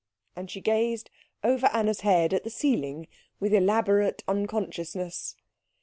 And she gazed over Anna's head at the ceiling with elaborate unconsciousness.